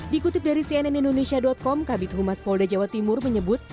dikutip dari cnn indonesia com kabit humas polda jawa timur menyebut